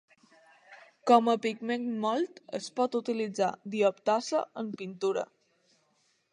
Com a pigment mòlt, es pot utilitzar dioptasa en pintura.